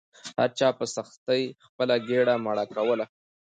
هر چا په سختۍ خپله ګیډه مړه کوله.